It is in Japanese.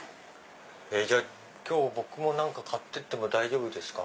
じゃあ今日僕も何か買ってっても大丈夫ですか？